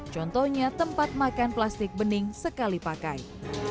contohnya tempat makan plastik bening sekali pakai